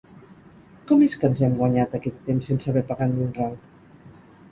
Com és que ens hem guanyat aquest temps, sense haver pagat ni un ral?